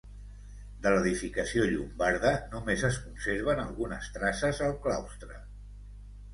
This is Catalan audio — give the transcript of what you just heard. De l'edificació llombarda només es conserven algunes traces al claustre.